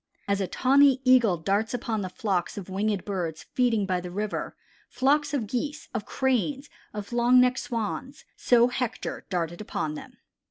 "As a tawny Eagle darts upon the flocks of winged birds feeding by the river, flocks of Geese, of Cranes, of long necked Swans, so Hector darted upon them."